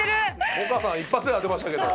萌歌さん一発で当てましたけど。